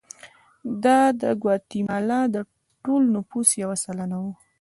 دا د ګواتیمالا د ټول نفوس یو سلنه وو.